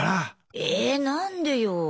え何でよ。